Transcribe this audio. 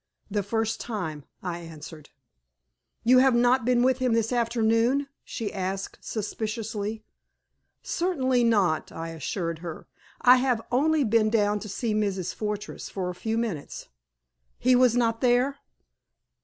"The first time," I answered. "You have not been with him this afternoon?" she asked, suspiciously. "Certainly not," I assured her. "I have only been down to see Mrs. Fortress for a few minutes." "He was not there?"